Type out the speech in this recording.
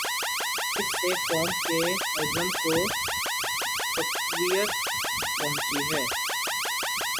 اس سے قوم کے عزم کو تقویت پہنچی ہے۔